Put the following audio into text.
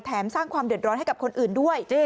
สร้างความเดือดร้อนให้กับคนอื่นด้วย